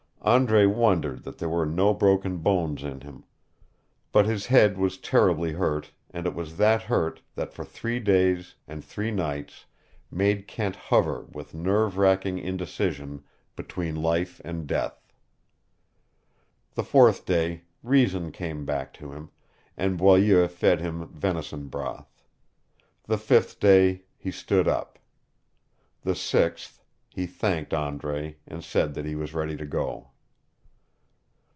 Andre wondered that there were no broken bones in him. But his head was terribly hurt, and it was that hurt that for three days and three nights made Kent hover with nerve racking indecision between life and death. The fourth day reason came back to him, and Boileau fed him venison broth. The fifth day he stood up. The sixth he thanked Andre, and said that he was ready to go.